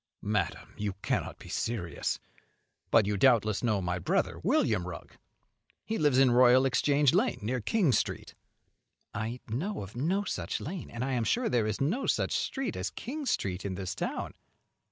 "Madam! you cannot be serious. But you doubtless know my brother, William Rugg. He lives in Royal Exchange Lane, near King Street." "I know of no such lane; and I I am sure there is no such street as King Street in this town."